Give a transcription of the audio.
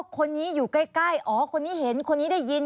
คนนี้อยู่ใกล้อ๋อคนนี้เห็นคนนี้ได้ยิน